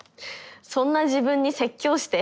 「そんな自分に説教して」。